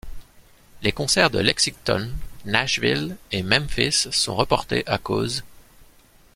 Les concerts de Lexington, Nashville et Memphis sont reportés à cause d'.